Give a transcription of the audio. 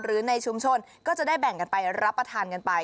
หรือในชุมชนก็จะได้แบ่งกันไปรับประทานกันไป